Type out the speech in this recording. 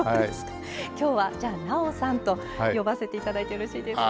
きょうはじゃあ「なおさん」と呼ばせていただいてよろしいですか？